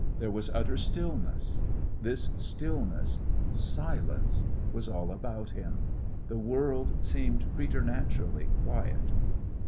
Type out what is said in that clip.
There was utter stillness. This stillness, silence, was all about him. The world seemed preternaturally quiet.